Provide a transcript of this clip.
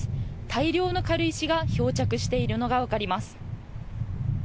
大量の軽石が漂着しているのがわかります。